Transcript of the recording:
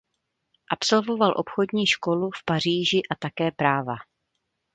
Absolvoval Obchodní školu v Paříži a také práva.